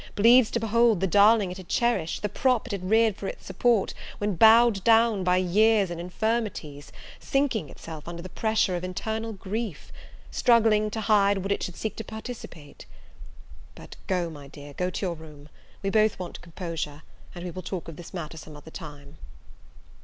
bleeds to behold the darling it had cherished, the prop it had reared for its support, when bowed down by years and infirmities, sinking itself under the pressure of internal grief! struggling to hide what it should seek to participate! But go, my dear, go to your own room; we both want composure, and we will talk of this matter some other time."